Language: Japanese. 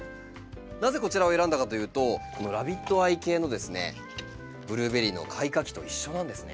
なぜこちらを選んだかというとこのラビットアイ系のブルーベリーの開花期と一緒なんですね。